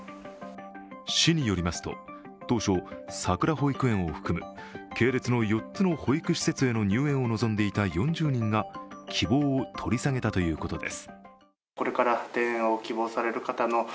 市によりますと当初、さくら保育園を含む系列の４つの保育施設への入園を望んでいた４０人が希望を取り下げたということです。